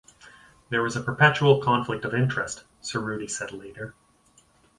"There was a perpetual conflict of interest", Cerruti said later.